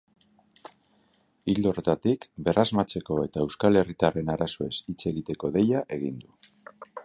Ildo horretatik, berrasmatzeko eta euskal herritarren arazoez hitz egiteko deia egin du.